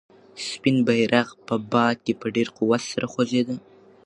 سپین بیرغ په باد کې په ډېر قوت سره غوځېده.